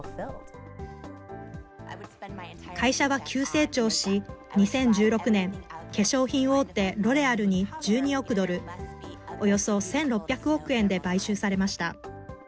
会社は急成長し、２０１６年、化粧品大手、ロレアルに１２億ドル、およそ１６００億円で買収されました。